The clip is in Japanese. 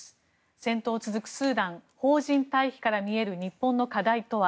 戦闘続くスーダン邦人退避から見える日本の課題とは。